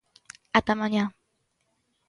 Ata mañá.